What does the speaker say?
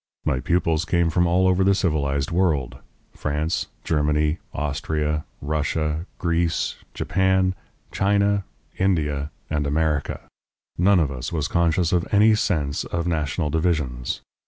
My pupils came from all over the civilized world: France, Germany, Austria, Russia, Greece, Japan, China, India, and America. None of us was conscious of any sense of national divisions.